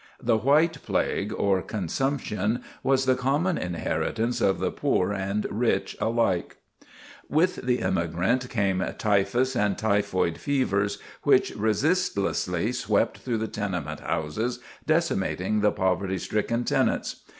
The "White Plague," or consumption, was the common inheritance of the poor and rich alike. With the immigrant, came typhus and typhoid fevers, which resistlessly swept through the tenement houses, decimating the poverty stricken tenants.